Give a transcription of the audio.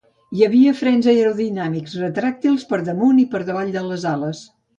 Hi havia frens aerodinàmics retràctils per damunt i per davall de les ales.